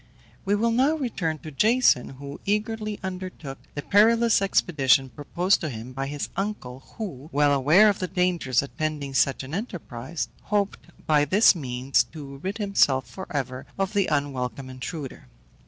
We will now return to Jason, who eagerly undertook the perilous expedition proposed to him by his uncle, who, well aware of the dangers attending such an enterprise, hoped by this means to rid himself for ever of the unwelcome intruder.